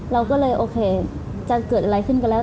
เราก็เลยโอเคจะเกิดอะไรขึ้นก็แล้ว